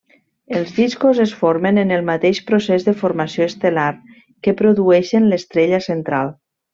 Els discos es formen en el mateix procés de formació estel·lar que produïxen l'estrella central.